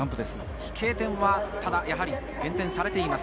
飛型点は減点されています。